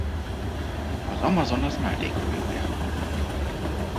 Az Amazonas mellékfolyója.